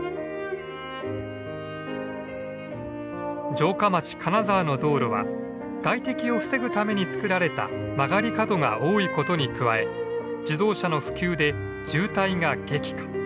城下町金沢の道路は外敵を防ぐために作られた曲がり角が多いことに加え自動車の普及で渋滞が激化。